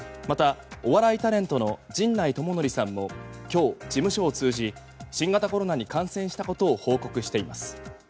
また、お笑いタレントの陣内智則さんも今日、事務所を通じ新型コロナに感染したことを報告しています。